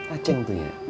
aceh itu ya